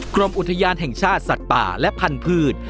กรมอุทยานแห่งชาติสัตว์ป่าและพันธุ์